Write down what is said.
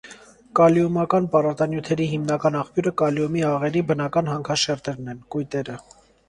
Կալիումական պարարտանյութերի հիմնական աղբյուրը կալիումի աղերի բնական հանքաշերտերն են (կույտերը)։